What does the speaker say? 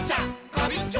ガビンチョ！